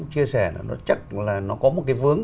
chia sẻ là nó chắc là nó có một cái vướng